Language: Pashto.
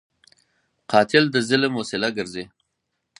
قاتل د ظلم وسیله ګرځي